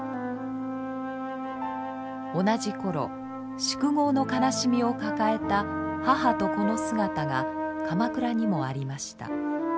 同じ頃宿業の悲しみを抱えた母と子の姿が鎌倉にもありました。